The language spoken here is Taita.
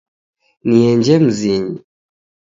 Nienje mzinyi